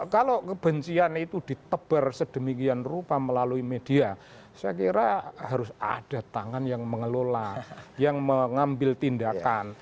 kalau kebencian itu ditebar sedemikian rupa melalui media saya kira harus ada tangan yang mengelola yang mengambil tindakan